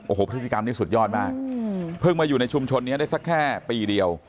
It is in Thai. โอ้โหพฤติกรรมนี้สุดยอดมากเพิ่งมาอยู่ในชุมชนนี้ได้สักแค่ปีเดียว